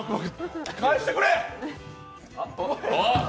返してくれ！